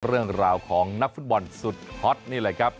เรื่องราวของนักฟุตบอลสุดฮอตนี่แหละครับ